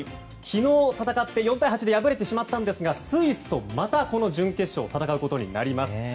昨日戦って４対８で敗れてしまったんですがスイスとまた準決勝戦うことになります。